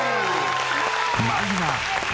まずは。